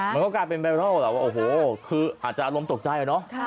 มันก็กลายเป็นแบบนั้นหรอว่าอาจจะอารมณ์ตกใจแล้วเนาะ